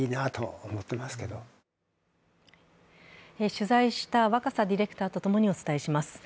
取材した若狭ディレクターとともにお伝えします。